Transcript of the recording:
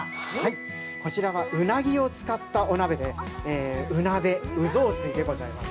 ◆こちらはうなぎを使ったお鍋で、うなべ、うぞふすいでございます。